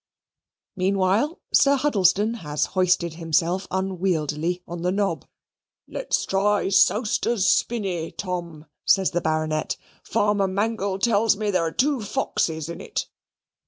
Meanwhile, Sir Huddlestone has hoisted himself unwieldily on the Nob: "Let's try Sowster's Spinney, Tom," says the Baronet, "Farmer Mangle tells me there are two foxes in it."